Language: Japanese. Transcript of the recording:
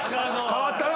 変わったな